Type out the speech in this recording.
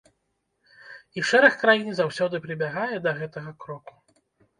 І шэраг краін заўсёды прыбягае да гэтага кроку.